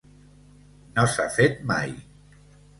No s’ha fet mai.